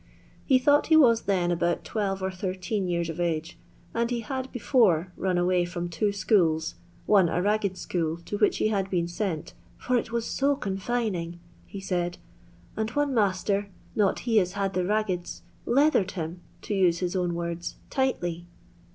He thought he was then about twelve or thirteen yean of age, and he had before run away from two schools, one a Bagged school, to which he had been sent, "for itw€u$o confining/' he said, " and one master, not he as had the raggeds, leathered him," to use his own words, " tighSy."